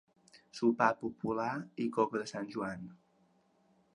Sopar popular i coca de Sant Joan.